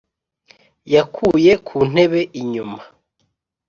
yakuye ku ntebe-inyuma,